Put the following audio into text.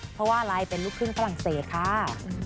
เพราะว่าอะไรเป็นลูกครึ่งฝรั่งเศสค่ะ